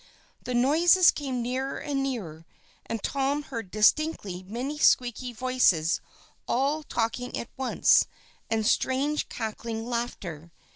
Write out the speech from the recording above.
The noises came nearer and nearer, and Tom heard distinctly many squeaky voices all talking at once, and strange cackling laughter.